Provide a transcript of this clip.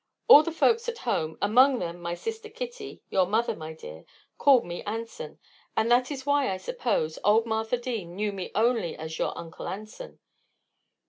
"All the folks at home, among them my sister Kitty your mother, my dear called me 'Anson'; and that is why, I suppose, old Martha Dean knew me only as your 'Uncle Anson.'